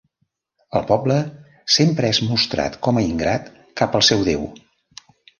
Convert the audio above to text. El poble sempre és mostrat com a ingrat cap al seu Déu.